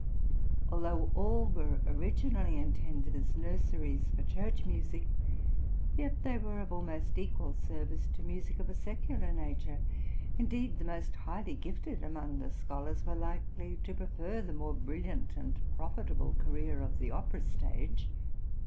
Though all were originally intended as nurseries for church music, yet they were of almost equal service to music of a secular nature; indeed, the most highly gifted among the scholars were likely to prefer the more brilliant and profitable career of the opera stage.